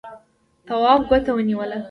تواب ګوته ونيوله.